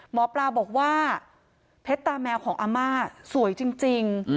หมอปลาบอกว่าเพชรตาแมวของอาม่าสวยจริง